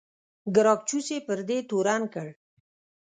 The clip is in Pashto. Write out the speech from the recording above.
ګراکچوس یې پر دې تورن کړ.